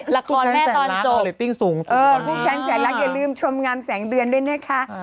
ละครแม่ตอนจบอ้านลิปติ้งสูงคู่แฟนแสงลักษณ์อย่าลืมชมงามแสงเดือนด้วยนะคะ